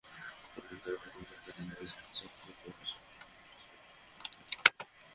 পরিচিত নমনীয় ভাষা ছেড়ে তিনি স্যান্ডার্সের বিরুদ্ধে কঠোর ভাষায় আক্রমণ করেছেন।